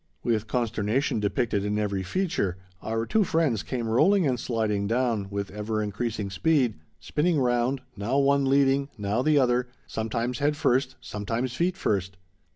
With consternation depicted in every feature, our two friends came rolling and sliding down, with ever increasing speed, spinning round—now one leading, now the other, sometimes head first, sometimes feet first.